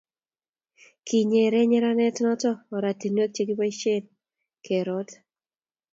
kinyere nyeranet noto ortinwek che kiboisien keroot